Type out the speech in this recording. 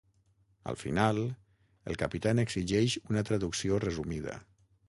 Al final, el capità n'exigeix una traducció resumida.